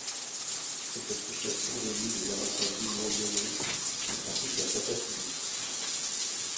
Cette association réunit des amateurs d'humour lyonnais qui pratiquent la 'Pataphysique.